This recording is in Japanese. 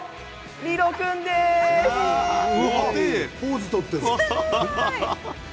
ポーズ取ってる。